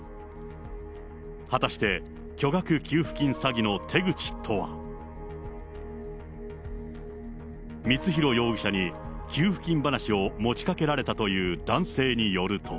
果たして、巨額給付金詐欺の手口とは。光弘容疑者に給付金話を持ちかけられたという男性によると。